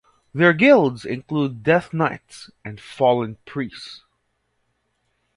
Their guilds include death knights and fallen priests.